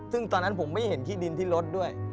ซึ่งตอนนั้นผมไม่เห็นที่ดินที่รถด้วย